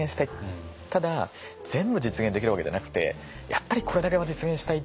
ただ全部実現できるわけじゃなくてやっぱりこれだけは実現したいっていう